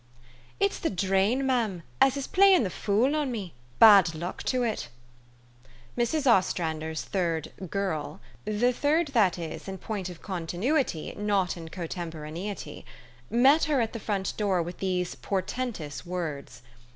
" TT'S the drain, mem, as is playin' the fool on me, 1 bad luck to it!" Mrs. Ostrander's third " girl " the third that is in point of continuity, not in cotemporaneity met her at the front door with these portentous words.